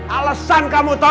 alasan kamu tau gak